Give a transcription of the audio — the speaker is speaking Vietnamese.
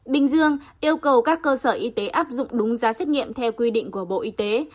bình dương yêu cầu các cơ sở y tế áp dụng đúng giá xét nghiệm theo quy định của bộ y tế